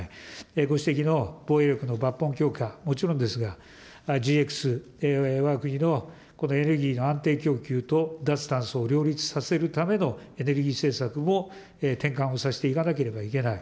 ご指摘の防衛力の抜本強化はもちろんですが、ＧＸ、わが国のエネルギーの安定供給と脱炭素を両立させるためのエネルギー政策を転換をさせていかなければいけない。